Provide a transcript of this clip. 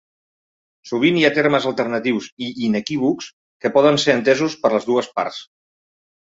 Sovint hi ha termes alternatius i inequívocs que poden ser entesos per les dues parts.